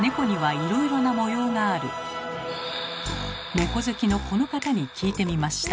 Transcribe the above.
猫好きのこの方に聞いてみました。